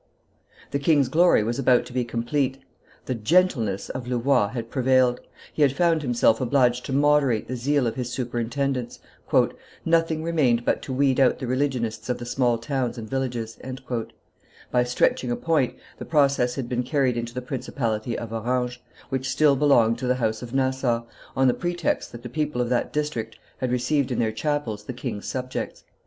The king's glory was about to be complete; the gentleness of Louvois had prevailed; he had found himself obliged to moderate the zeal of his superintendents; "nothing remained but to weed out the religionists of the small towns and villages;" by stretching a point the process had been carried into the principality of Orange, which still belonged to the house of Nassau, on the pretext that the people of that district had received in their chapels the king's subjects.